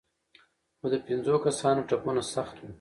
خو د پنځو کسانو ټپونه سخت وو.